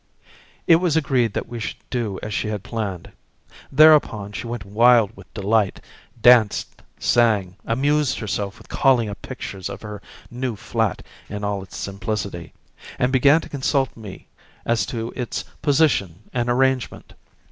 It was agreed that we should do as she had planned. Thereupon, she went wild with delight; danced, sang, amused herself with calling up pictures of her new flat in all its simplicity, and began to consult me as to its position and arrangement.